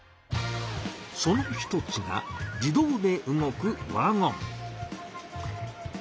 その一つが自動で動くワゴン。